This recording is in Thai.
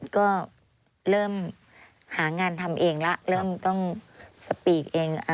ก็เริ่มหางานทำเองแล้วเริ่มต้องสปีกเอง